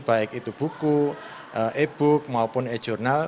baik itu buku e book maupun e jurnal